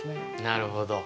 なるほど！